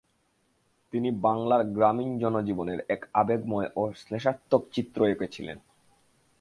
তিনি বাংলার গ্রামীণ জনজীবনের এক আবেগময় ও শ্লেষাত্মক চিত্র এঁকেছিলেন।